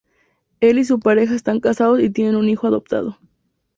Él y su pareja están casados y tienen un hijo adoptado.